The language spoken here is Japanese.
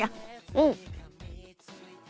うん！